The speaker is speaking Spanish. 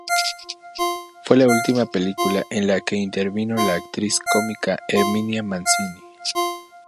Fue la última película en la que intervino la actriz cómica Herminia Mancini.